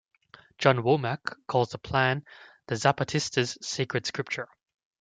John Womack calls the Plan the Zapatistas' "Sacred Scripture".